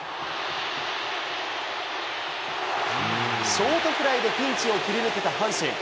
ショートフライでピンチを切り抜けた阪神。